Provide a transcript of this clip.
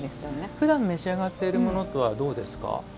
ふだん召し上がってるものとはどうですか？